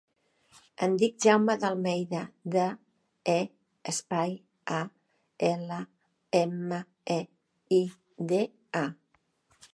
Em dic Jaume De Almeida: de, e, espai, a, ela, ema, e, i, de, a.